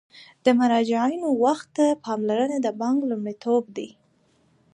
د مراجعینو وخت ته پاملرنه د بانک لومړیتوب دی.